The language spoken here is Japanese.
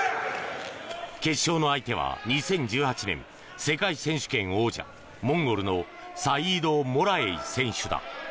決勝の相手は２０１８年世界選手権王者モンゴルのサイード・モラエイ選手だ。